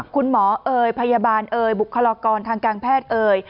เอ๋ยพยาบาลเอ่ยบุคลากรทางการแพทย์เอ่ย